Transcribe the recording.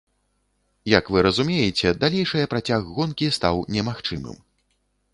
Як вы разумееце, далейшае працяг гонкі стаў немагчымым.